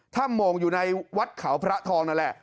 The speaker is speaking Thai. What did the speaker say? ถ้ำโหมงอยู่ในวัดขาวพระทองนั่นแหละ